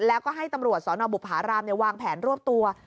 แล้วก็ให้ตำรวจสนบุภารามวางแผนรวบตัว